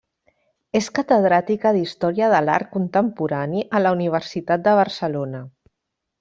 És Catedràtica d'Història de l'Art Contemporani a la Universitat de Barcelona.